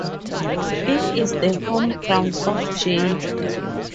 It is the home ground of J.